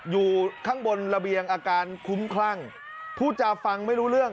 อยู่ข้างบนระเบียงอาการคุ้มคลั่งพูดจาฟังไม่รู้เรื่อง